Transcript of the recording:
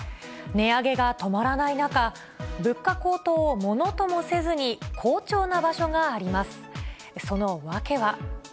値上げが止まらない中、物価高騰をものともせずに好調な場所があります。